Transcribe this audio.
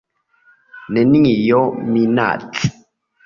Nenio minaci.